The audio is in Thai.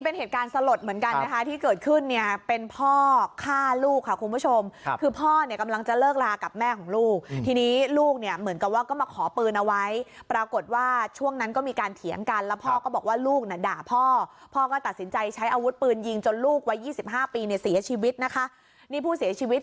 เป็นเหตุการณ์สลดเหมือนกันนะคะที่เกิดขึ้นเนี่ยเป็นพ่อฆ่าลูกค่ะคุณผู้ชมคือพ่อเนี่ยกำลังจะเลิกลากับแม่ของลูกทีนี้ลูกเนี่ยเหมือนกับว่าก็มาขอปืนเอาไว้ปรากฏว่าช่วงนั้นก็มีการเถียงกันแล้วพ่อก็บอกว่าลูกน่ะด่าพ่อพ่อก็ตัดสินใจใช้อาวุธปืนยิงจนลูกวัยยี่สิบห้าปีเนี่ยเสียชีวิตนะคะนี่ผู้เสียชีวิต